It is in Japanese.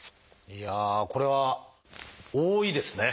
いやあこれは多いですね。